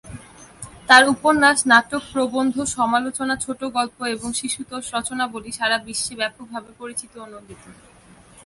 তাঁর উপন্যাস, নাটক, প্রবন্ধ, সমালোচনা, ছোটগল্প এবং শিশুতোষ রচনাবলী সারা বিশ্বে ব্যাপকভাবে পরিচিত ও নন্দিত।